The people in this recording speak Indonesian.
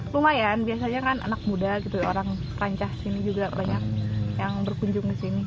lumayan biasanya kan anak muda gitu orang perancah sini juga banyak yang berkunjung disini